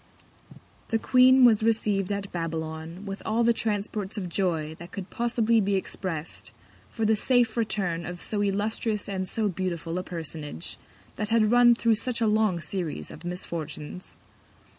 The Queen was receiv'd at Babylon with all the Transports of Joy that could possibly be express'd for the safe Return of so illustrious and so beautiful a Personage, that had run thro' such a long Series of Misfortunes.